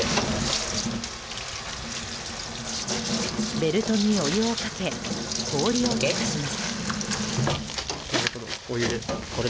ベルトにお湯をかけ氷を溶かします。